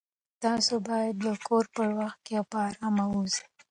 تاسو باید له کوره په وخت او په ارامه ووځئ.